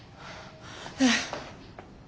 ええ。